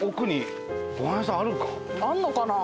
あるのかな？